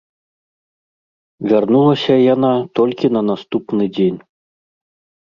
Вярнулася яна толькі на наступны дзень.